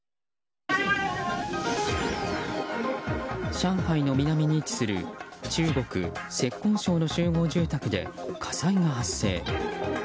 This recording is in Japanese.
上海の南に位置する中国・浙江省の集合住宅で火災が発生。